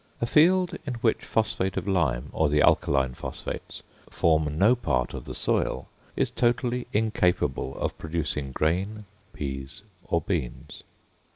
A field in which phosphate of lime, or the alkaline phosphates, form no part of the soil, is totally incapable of producing grain, peas, or beans.